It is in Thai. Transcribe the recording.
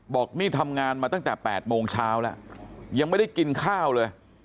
บอกนี่ทำงานมาตั้งแต่๘โมงเช้าแล้วยังไม่ได้กินข้าวเลย